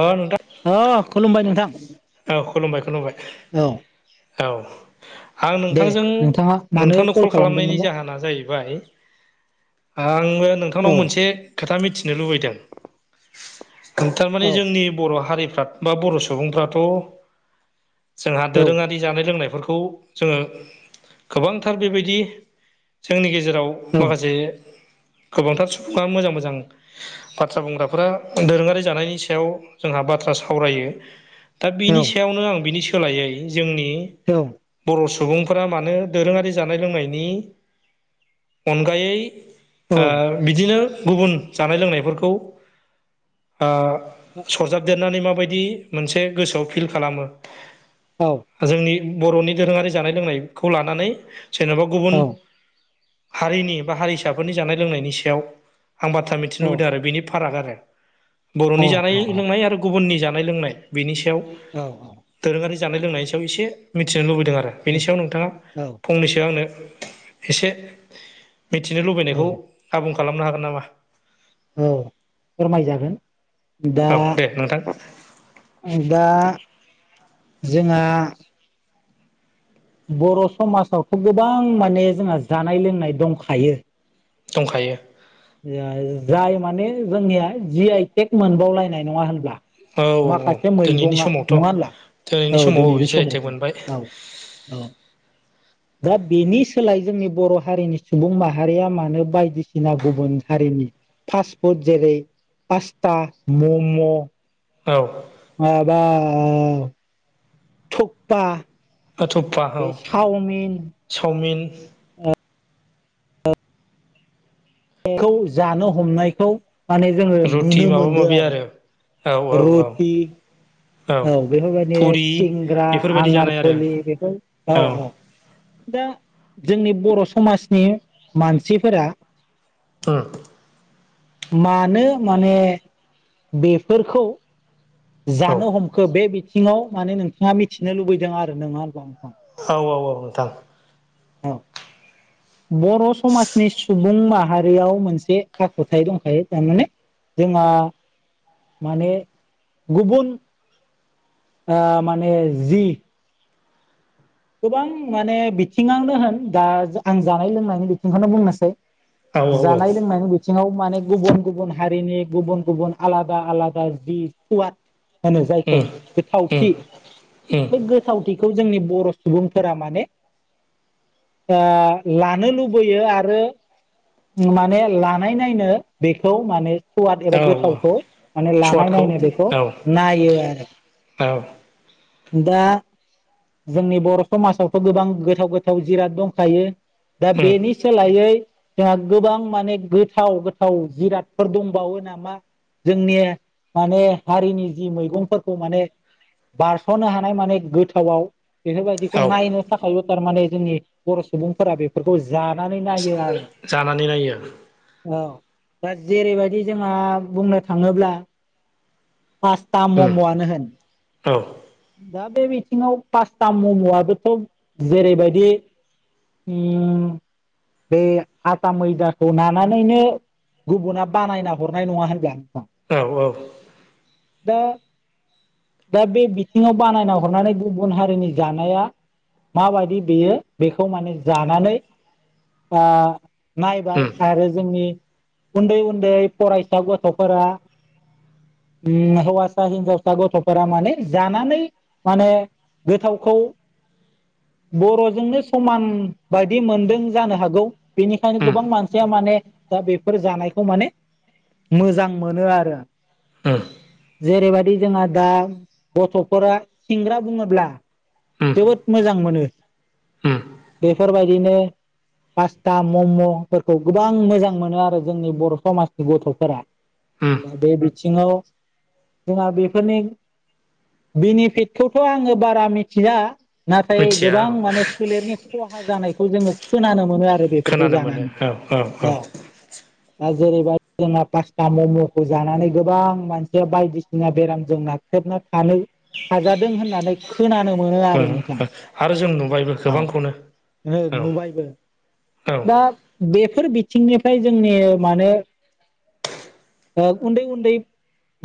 अ नोंथां अ खुलुमबाय नोंथां औ खुलुमबाय खुलुमबाय। औ औ आं दे नोंथांजों नोंथाङा मानो नोंथांनो कल खालामनायनि खालामदोंमोनबा जाहोना जायै बाय आङो नोंथांनाव औ मोनसे खोथा मिथिनो लुबैदों थारमाने औ जोंनि बर' हारि [unintelligible] मा बर' सुबुंफ्राथ' जोंहा औ दोरोङारि जानाय लोंनाय फोरखौ जोङो गोबांथार बेबायदि जोंनि गेजे जेराव औ माखासे गोबांथार सुबुङा मोजां मोजां बाथ्रा बुंग्राफोरा दोरोङारि जानायनि सायाव जोंहा बाथ्रा सावरायो दा औ बिनि सायावनो आं बिनि सोलायै जोंनि औ बर' सुबुंफोरा मानो दोरोङारि जानाय लोंनायनि अनगायै ओ बिदिनो गुबुन जानाय लोंनायफोरखौ सरजाबदेरनानै माबायदि मोनसे गोसोआव फिल खालामो जोंनि बर'नि दोरोङारि जानाय लोंनायखौ लानानै जेन'बा गुबुन हारिनि बा हारिसाफोरनि जानाय लोंनायनि सायाव आं बाथ्रा मिथिनो लुबैदों आरो बेनि फाराग आरो बर'नि औ जानाय लोंनाय आरो गुबुननि जानाय लोंनाय बेनि सायाव औ दोरोङारि जानाय लोंनायनि सायाव एसे मिथिनो लुबैदों। आरो बेनि सायाव नोंथाङा फंनैसो आंनो एसे मिथिनो औ लुबैनायखौ आबुं खालामनो हागोन नामा? औ फोरमाय जागोन। औ दे नोंथां। दा जोंहा बर' समाजावथ' गोबां माने जोंहा जानाय लोंनाय दंखायो। दंखायो। जाय माने जोंनिया जि आइ टेक मोनबावलायनाय नङा होनब्ला? औ औ औ माखासे दिनैनि मैगंआ समावथ' नङा होनब्ला औ समाव दिनैनि जि आइ टेक समावथ' मोनबाय औ औ दा बेनि सोलाय जोंनि बर' हारिनि सुबुं माहारिया मानो बायदिसिना गुबुन हारिनि फास्ट फुड जेरै पास्ता मम' औ अ बा [unintelligible] थपा अ तुप्पा औ चावमिन बेखौ जानो हमनायखौ माने जोङो रुटि नुनो माबा मोनदों माबि आरो औ औ औ रुटि औ बेफोरबायदि फुरि सिंग्रा बेफोरबायदि जानाय आरो आनारफलि बेफोर औ औ दा जोंनि बर' समाजनि मानसिफोरा अ मानो माने बेफोरखौ औ जानो हमखो बे बिथिङाव माने नोंथाङा मिथिनो लुबैदों आरो नङा होनब्ला औ औ औ नोंथां औ बर' समाजनि सुबुं माहारियाव मोनसे आखुथाइ दंखायो थारमाने जोंहा माने गुबुन माने जि गोबां माने बिथिङावनो होन दा आं जानाय लोंनायनि बिथिंखौनो बुंनोसै औ औ औ जानाय लोंनायनि बिथिङाव माने गुबुन गुबुन हारिनि गुबुन गुबुन आलादा आलादा जि सुवाद होनो जायखौ उम उम गोथावथि उम बे गोथावथिखौ जोंनि बर' सुबुंफोरा माने ओ लानो लुबैयो आरो माने लानाय नायनो बेखौ माने सवाद औ एबा औ गोथावखौ माने लानाय स्वादखौ नायनाय बेखौ औ नायो आरो औ दा जोंनि बर' समाजावथ' गोबां गोथाव गोथाव जिराद दंखायो दा उम बेनि सोलायै जोंहा गोबां माने गोथाव गोथाव जिरादफोर दंबावो नामा जोंनि माने हारिनि जि मैगंफोरखौ माने बार थनो हानाय माने गोथावआव बेफोरबायदिखौ औ नायनो थाखायबो थारमाने जोंनि बर' सुबुंफोरा बेफोरखौ जानानै नायो आरो जानानै नायो औ दा जेरैबायदि जोंहा बुंनो थाङोब्ला पास्ता उम मम'आनो होन औ दा बे बिथिङाव पासता मम'आबोथ' जेरैबायदि उम बे आथा मैदाखौ नानानैनो गुबुना बानायना हरनाय नङा होनग औ औ दा दा बे बिनियाव बानायना हरनानै गुबुन हारिनि जानाया माबायदि बेयो बेखौ माने जानानै नायबाय उम आरो जोंनि उन्दै उन्दै फरायसा गथ'फोरा हौसा हिनजावसा गथ'फोरा माने जानानै माने गोथावखौ [inaudible] बर'जोंनो समान बायदि मोनदों जानो हागौ बेनिखायनो उम गोबां मानसिया माने दा बेफोर जानायखौ माने उम जेरैबायदि जोंहा दा गथ'फोरा सिंग्रा बुङोब्ला उम जोबोद मोजां मोनो उम बेफोरबायदिनो [inaudible] पास्ता मम'फोरखौ गोबां मोजां मोनो आरो जोंनि बर' समाजनि गथ'फोरा उम [inaudible] दा बे बिथिङाव जोंहा बेफोरनि [inaudible] बेनिफिटखौथ' आङो बारा मिथिया दा नाथाय मिथिया औ गोबां माने सोलेरनि खहा जानायखौ जोङो खोनानो मोनो आरो। आरो बेफोरखौ खोनानो दा मोनो औ औ औ जेरैबाया जोंहा पास्टा मम'खौ जानानै गोबां मानसिया बायदिसिना बेराम जोंना [inaudible] थेबना थानो नाजादों होननानै खोना नो मोनो ओ आरो नोंथां ओ आरो जों नुबायबो औ गोबांखौनो ङो औ नुबायबो औ उम दा बेफोर बिथिंनिफ्राय जोंनि मानो आ उन्दै उन्दै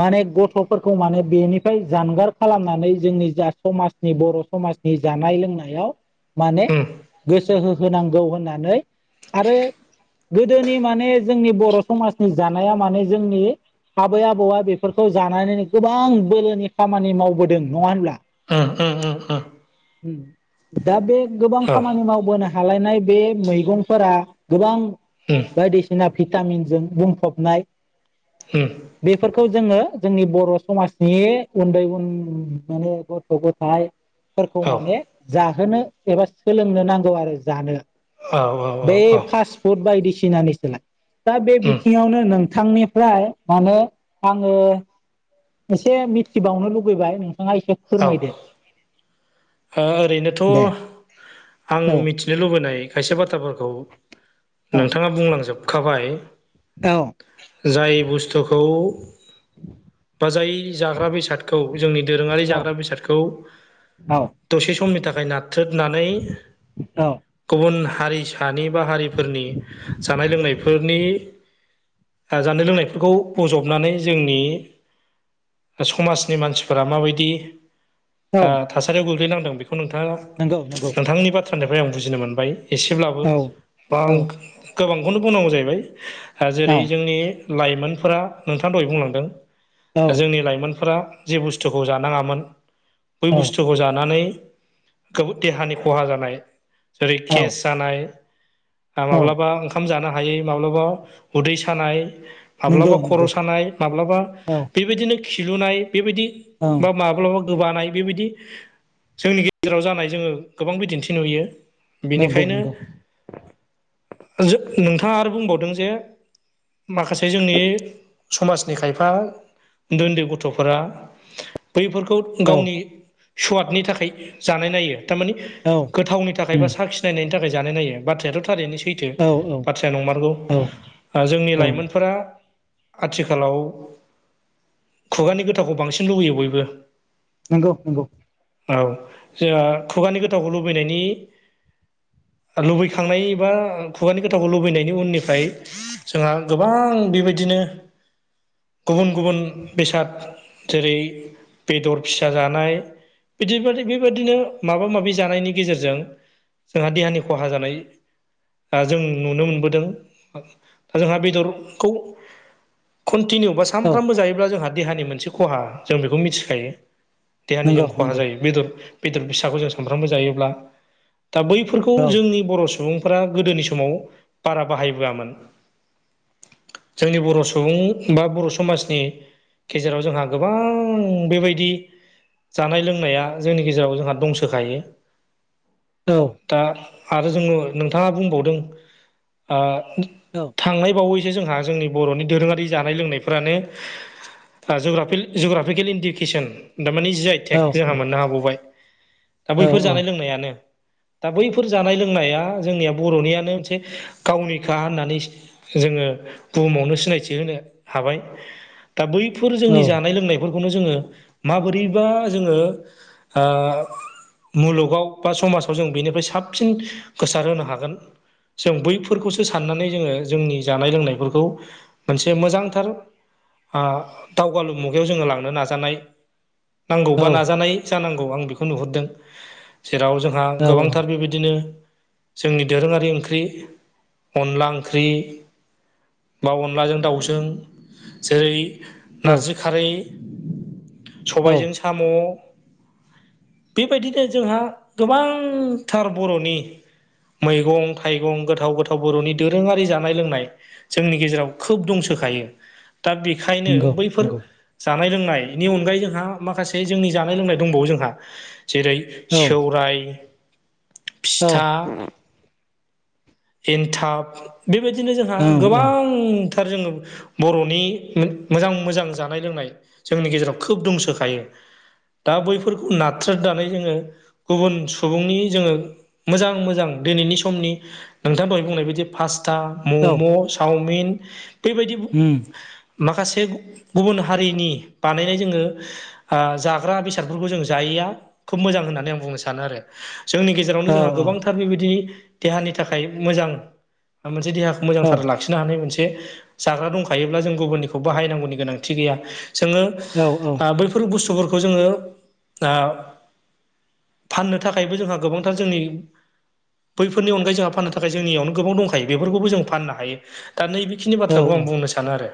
माने गथ'फोरखौ माने बेनिफ्राय जानगार खालामनानै जोंनि जा समाज बर' समाजनि जानाय लोंनायाव माने उम गोसो गोहो होनांगौ होननानै आरो गोदोनि माने जोंनि बर' समाजनि जानाया माने जोंनि आबै आबौआ बेफोरखौ जानानैनो गोबां बोलोनि खामानि मावबोदों नङा होनब्ला? ओ दा बे गोबां औ खामानि मावबोनो खाालायनाय बे मैगंफोरा गोबां उम बायदिसिना भिटामिनजों बुंफबनाय हम बेफोरखौ जोङो जोंनि बर' समाजनि उन्दै उन माने गथ' गथ' [unintelligible] फोरखौ औ औ उम औ ओ माने जाहोनो एबा सोलोंनो नांगौ आरो जानो [inaudible] बे ओरैनोथ' फास्ट फुड बायदिसिना निखोलाय? दा बे बिथिङावनो नोंथां एसे मिथिबावनो लुुबैबाय नोंथाङा एसे फोरमायदो ओरैनोथ' दे आं औ मिथिनो लुबैनाय खायसे बाथ्राफोरखौ औ नोंथाङा बुंलांजोबखाबाय औ जाय बुस्थुखौ बा जाय जाग्रा बेसादखौ जोंनि दोरोङारि औ जाग्रा बेसादखौ औ दसे समनि थाखाय नाथ्रोदनानै औ गुबुन हारिसानि बा हारि जानाय लोंनायफोरखौ बजबनानै जोंनि समाजनि औ थासारियाव गोग्लैनांदों बेखौ नोंथाङा नंगौ नंगौ नोंथांनि बाथ्रानिफ्राय आं बुजिनो मोनबाय [inaudible] एसेब्लाबो औ औ गोबांखौनो बुंनांगौ जाहैबाय जेरै जोंनि लाइमोनफोरा नोंथाङा दहाय बुंलांदों औ जोंनि लाइमोन फोरा जि बुस्थुखौ जानांगोन बै बुस्थु जानानै गो देहानि खहा जानाय जेरै औ गेस जानाय औ माब्लाबा ओंखाम जानो हायै माब्लाबा उदै सानाय [inaudible] नंगौ माब्लाबा खर' नंगौ सानाय माब्लाबा औ बेबायदिनो खिलुनाय बेबायदि औ बा माब्लाबा गोबानाय बेबायदि जोंनि गेजेराव जानाय जोङो गोबां बिदिन्थि नुयो [inaudible] नंगौ बिनिखायनो नंगौ नोंथाङा आरो बुंबावो। जे माखासे जोंनि समाजनि खायफा बैफोरखौ औ गावनि थारमानि औ गोथावनि थाखाय बा उम साखिनायनायनि थाखाय जानायनायायो बाथ्रायाथ' थारैनो [inaudible] सैथो औ औ बाथ्राया नंमारगौ औ जोंनि औ लाइमोनफोरा आथिखालाव खुगानि गोथावखौ बांसिन लुबैयो बयबो नंगौ नंगौ। औ लुबैखांनाय बा खुगानि गोथावखौ लुबैनायनि उननिफ्राय जोंहा गोबां बेबायदिनो ब गुबुन गुबुन बेसाद जेरै बेदर फिसा जानाय बिब बेबायदिनो माबा माबि जानायनि गे [inaudible] जेरजों जोंहा देहानि खहा जानाय जों नुनो मोनबोदों दा जोंहा बेदरखौ कनटिनिउ बा औ सानफ्रामबो जायोब्ला जोंहा देहानि मोनसे खहा जों बेखौ मिथिखायो देहानि नंगौ जों खहा नंगौ जायो बेदर बेदर फिसाखौ जों सानफ्रामबो जायोब्ला दा बैफोरखौ औ जोंनि बर' सुबुंफोरा्रा गोदोनि समाव बारा बाहायबोआमोन। जोंनि बर' सुबुं बा बर' समाजनि गेजेराव जोंहा गोबां बेबायदि जानाय लोंनाया औ आरो जोङो नोंथाङा बुंबावदों औ थांनाय बावै जोंहा जोंनि बर'नि दोरोङारि जानाय लोंनायफ्रानो ग जुग्राफिकेल इन्डिकेसन थारमानिे जाय औ टेक जोंहा मोननो हाबावबाय। दा बैफोर जानाय लोंनायानो दा बैफोर जानाय लोंनाया जोंनिया बर'नियानो मोनसे गावनिखा होननानै जोङो दा बैफोर औ जोंनि जोङो मुलुगाव बा समाजाव जों बैफोरखौसो साननानै जोङो जोंनि जानाय लोंनायफोरखौ मोनसे मोजांथार। दावगालु मुगायाव जोङो लांनो नाजानाय नांगौ औ बा नाजानाय जानांगौ आं बेखौ नुहुरदों। जेराव जोंहा नंगौ गोबांथार नंगौ औ बेबायदिनो जोंनि दोरोङारि ओंख्रि अनला ओंख्रि [inaudible] बा अनलाजों दाउजों जेरै नारजि, औ खारै। औ सबायजों सामु बेबायदिनो जोंहा गोबांथार बर'नि मैगं थाइगं गोथाव गोथाव बर'नि दोरोङारि जानाय लोंनाय जोंनि गेजेराव खोब दंसो होखायो दा बेनिखायनो उम बैफोर औ औ जानाय लोंनायनि अनगायै जोंहा माखासे जोंनि जानाय लोंनाय दंबावो जोंहा जेरै सेौराय [inaudible] फिथा एनथाब बेबायदिनो जोंहा गोबां थार जोङो बर'नि मोजां मोजां जानाय लोंनाय जोंनि गेजेराव खोब दंसोखा दाइन दा बैफोरखौ नाथ्रेदनानै जोङो गुबुन सुबुंनि जोङो मोजां मोजां दिनैनि समनि नोंथां दहाय बुंनाय बादि फार्स्ट पास्ा मम' चावमिन बेबायदि [inaudible] माखासे जाग्रा बेसादफोरखौ जों जायैया खोब मोजां होननानै आं बुंनो सानो आरो जोंनि गेजेरावनो जोंहा गोबांथार बेबायदि देहानि थाखाय मोजां। मोनसेेदेहाखौ मोजांथार लाखिनो हानाय मोनसे। जाग्रा दंखायोब्ला जों गुबुननिखौ बाहायनांगौनि गोनांथि गैया जोङो है बुस्थुफोरखौ जोङो द फाननो थाखायबो जोंहा गोबांथार जोंनि बैफोरनि अनगायै जोंहा फाननो थाखाय जोंनियावनो गोबां दंखायो बेफोरखौबो जों फाननो हायो दा नैबेखिनि बाथ्राखौ आं बुंनो सानो आरो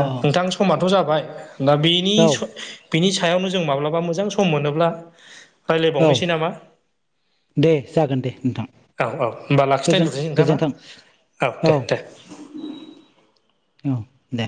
नोंथां समाथ' जाबाय दा बेनि औ औ बिनि सायावनो जों माब्लाबा मोजां सम मोनोब्ला औ रायज्लायबावनोसै नामा दे जागोन दे नोंथां औ औ होमबा लाखि गोजोन दोन्थ'नो सै नोंथां ना गोजोन्थों औ दे दे औ दे।